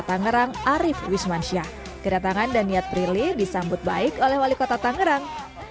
tangerang arief wismansyah kedatangan dan niat prilly disambut baik oleh wali kota tangerang